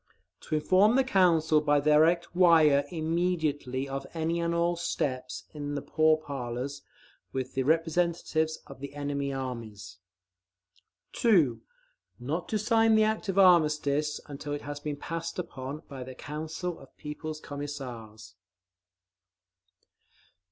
To inform the Council by direct wire immediately of any and all steps in the pourparlers with the representatives of the enemy armies. 2. Not to sign the act of armistice until it has been passed upon by the Council of People's Commissars.